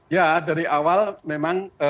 ya dari awal memang